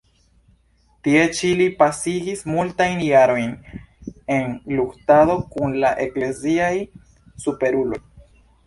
Tie ĉi li pasigis multajn jarojn en luktado kun la ekleziaj superuloj.